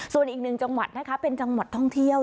ส่วนอีกหนึ่งจังหวัดนะคะเป็นจังหวัดท่องเที่ยว